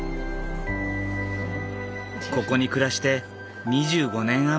ここに暮らして２５年余り。